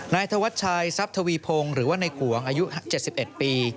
นายธวัชชัยทรัพย์ทวีพงศ์หรือว่าในกวงอายุ๗๑ปี